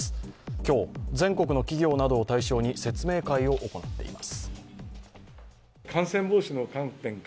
今日、全国の企業などを対象に説明会を行っています。